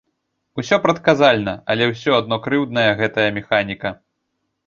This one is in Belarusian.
Усё прадказальна, але ўсё адно крыўдная гэтая механіка.